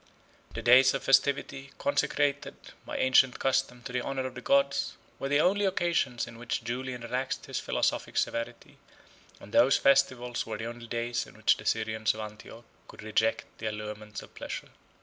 The days of festivity, consecrated, by ancient custom, to the honor of the gods, were the only occasions in which Julian relaxed his philosophic severity; and those festivals were the only days in which the Syrians of Antioch could reject the allurements of pleasure.